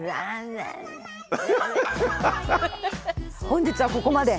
本日はここまで。